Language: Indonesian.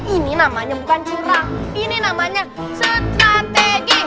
ini namanya bukan curang ini namanya strategi